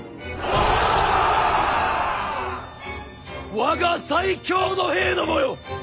我が最強の兵どもよ！